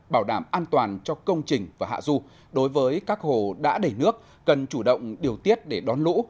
bảo đảm an toàn cho công trình và hạ du đối với các hồ đã đầy nước cần chủ động điều tiết để đón lũ